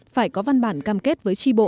phải có văn bản cam kết với tri bộ